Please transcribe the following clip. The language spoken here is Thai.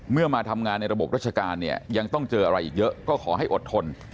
มาทำงานในระบบราชการเนี่ยยังต้องเจออะไรอีกเยอะก็ขอให้อดทน